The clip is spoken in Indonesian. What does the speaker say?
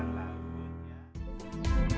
kami membuatnya secara digital